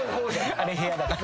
あれ部屋だから。